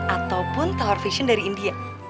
ataupun tower vision dari india